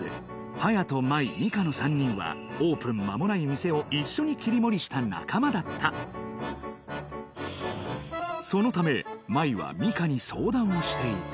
隼人麻衣美香の３人はオープン間もない店を一緒にきりもりした仲間だったそのため麻衣は美香に相談をしていた